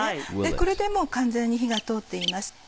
これでもう完全に火が通っています。